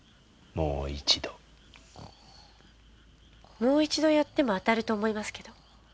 もう一度やっても当たると思いますけど。